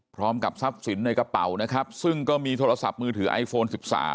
พร้อมกับทรัพย์สินในกระเป๋านะครับซึ่งก็มีโทรศัพท์มือถือไอโฟน๑๓